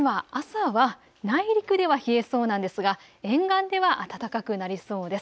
あすは朝は内陸では冷えそうなんですが、沿岸では暖かくなりそうです。